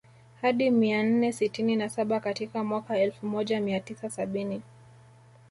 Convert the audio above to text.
Hadi mia nne sitini na saba katika mwaka elfu moja mia tisa sabini